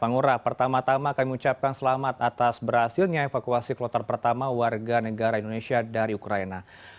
pangura pertama tama kami ucapkan selamat atas berhasilnya evakuasi kloter pertama warga negara indonesia dari ukraina